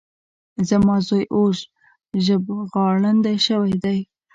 زما زوی اوس ژبغړاندی شوی دی.